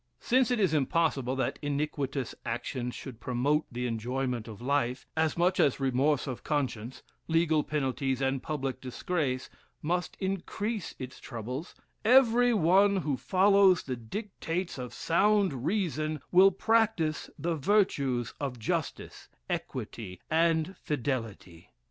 Since it is impossible that iniquitous actions should promote the enjoyment of life, as much as remorse of conscience, legal penalties, and public disgrace, must increase its troubles, every one who follows the dictates of sound reason, will practice the virtues of justice, equity, and fidelity.